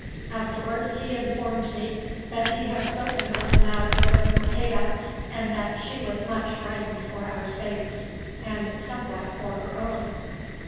Afterward he informed me that he had spoken of the matter with Maqueda, and that she was much frightened for our sakes, and somewhat for her own.